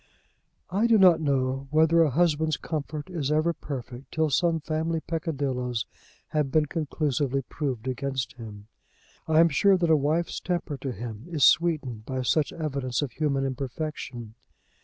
I do not know whether a husband's comfort is ever perfect till some family peccadilloes have been conclusively proved against him. I am sure that a wife's temper to him is sweetened by such evidence of human imperfection.